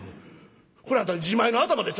これあんた自前の頭でっせ。